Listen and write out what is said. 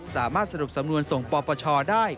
สามารถสรุปสำนวนส่งปปชได้